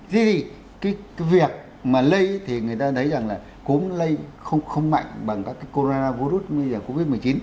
thế thì cái việc mà lây thì người ta thấy rằng là cúm lây không mạnh bằng các cái corona virus như là covid một mươi chín